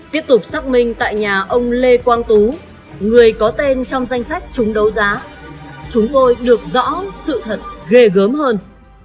tiếp tục sắc minh tại nhà ông lê quang tú người có tên trong danh sách trúng đấu giá chúng tôi được rõ sự thật ghê gớm hơn